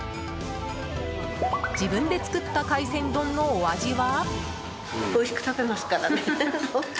自分で作った海鮮丼の、お味は？